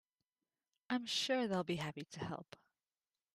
I'm sure they'll be happy to help.